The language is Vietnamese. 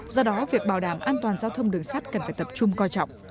do đó việc bảo đảm an toàn giao thông đường sắt cần phải tập trung coi trọng